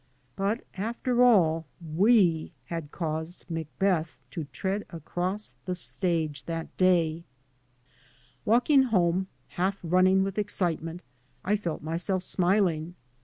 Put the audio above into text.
But after all, we had caused Macbeth to tread across the stage that day 1 Walking home, half running with excite ment, I felt myself smiling.